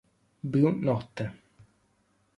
Blu notte